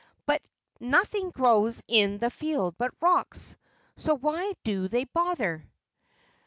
"But nothing grows in the field but rocks, so why do they bother?"